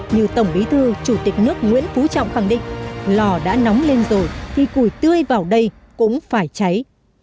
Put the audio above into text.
như tổng bí thư chủ tịch nước nguyễn phú trọng khẳng định lò đã nóng lên rồi khi cùi tươi vào đây cũng phải cháy